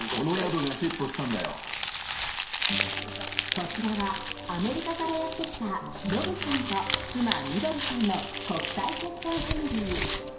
こちらはアメリカからやってきたロブさんと、妻・緑さんの国際結婚ファミリー。